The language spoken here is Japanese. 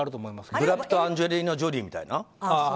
ブラピとアンジェリーナ・ジョリーみたいな？